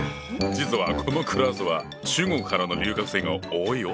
実はこのクラスは中国からの留学生が多いよ。